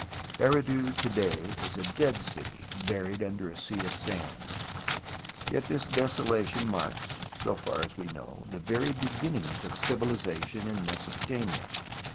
Eridu to day is a dead city, buried under a sea of sand, yet this desolation marks, so far as we know, the very beginnings of civilization in Meso potamia.